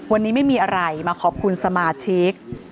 วันนี้ไม่มีอะไรมาขอบคุณสมาชิก